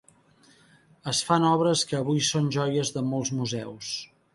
Es fan obres que avui són joies de molts museus.